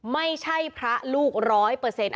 ไม่ใช่พระลูกร้อยเปอร์เซ็นต์